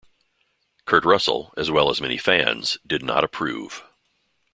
Kurt Russell, as well as many fans, did not approve.